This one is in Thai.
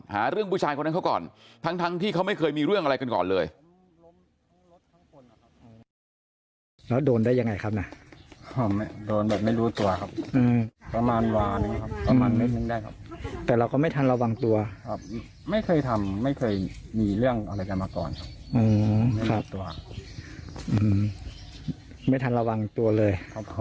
หาเรื่องผู้ชายคนนั้นเขาก่อนทั้งที่เขาไม่เคยมีเรื่องอะไรกันก่อนเลย